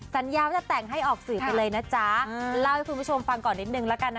สัญญาว่าจะแต่งให้ออกสื่อไปเลยนะจ๊ะเล่าให้คุณผู้ชมฟังก่อนนิดนึงแล้วกันนะ